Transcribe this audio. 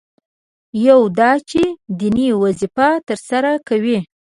یو دا چې دیني وظیفه ترسره کوي.